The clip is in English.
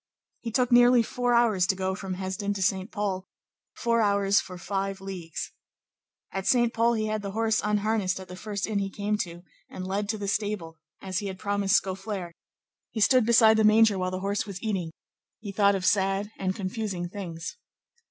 He took nearly four hours to go from Hesdin to Saint Pol; four hours for five leagues. At Saint Pol he had the horse unharnessed at the first inn he came to and led to the stable; as he had promised Scaufflaire, he stood beside the manger while the horse was eating; he thought of sad and confusing things.